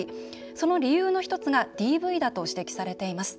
その理由の１つがＤＶだと指摘されています。